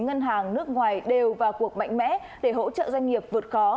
ngân hàng nước ngoài đều vào cuộc mạnh mẽ để hỗ trợ doanh nghiệp vượt khó